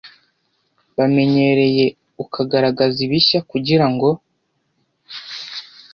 bamenyereye, ukagaraza ibishya kugira ngo